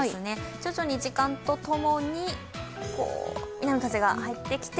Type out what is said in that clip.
徐々に時間とともに南風が入ってきて